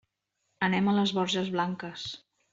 Anem a les Borges Blanques.